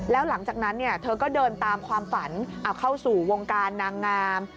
แล้วหลังจากนั้นเธอก็เดินตามความฝันเอาเข้าสู่วงการนางงาม